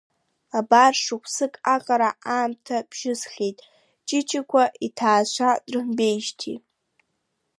Абар шықәсык аҟара аамҭа бжьысхьеит Ҷыҷыкәа иҭаацәа дрымбеижьҭеи.